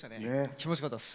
気持ちよかったです。